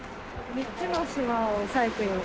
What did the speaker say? ３つの島をサイクリング？